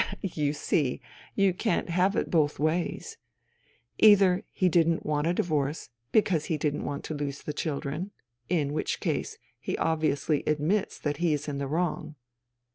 " You see, you can't have it both ways. Either he didn't want a divorce because he didn't want to lose the children, in which case he obviously admits that he is in the wrong.